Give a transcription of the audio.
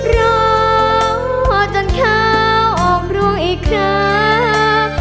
รอจนข้าวออกรวงอีกครั้ง